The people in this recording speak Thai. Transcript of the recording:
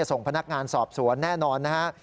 ส่งพนักงานสอบสวนแน่นอนนะฮะ